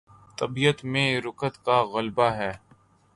طبیعت میں رقت کا غلبہ ہے۔